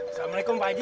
assalamualaikum pak haji